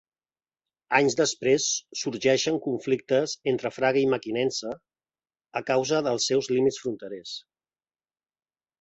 Anys després sorgeixen conflictes entre Fraga i Mequinensa a causa dels seus límits fronterers.